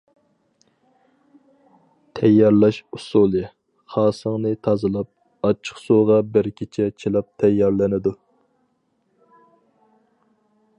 تەييارلاش ئۇسۇلى: خاسىڭنى تازىلاپ، ئاچچىقسۇغا بىر كېچە چىلاپ تەييارلىنىدۇ.